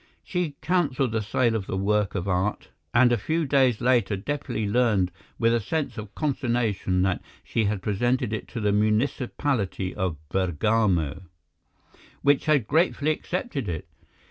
She cancelled the sale of the work of art, and a few days later Deplis learned with a sense of consternation that she had presented it to the municipality of Bergamo, which had gratefully accepted it.